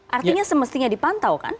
artinya semestinya dipantau kan